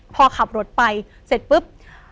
พอขับรถไปเสร็จปุ๊บ